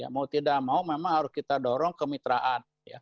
mau tidak mau memang harus kita dorong kemitraan